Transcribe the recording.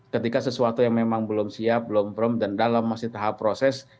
ketika sesuatu yang memang belum siap belum from dan dalam masih tahap proses